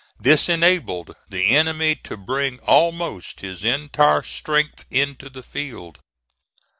This enabled the enemy to bring almost his entire strength into the field.